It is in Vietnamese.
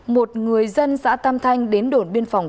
một người dân xã tam thanh đến đồn biên phòng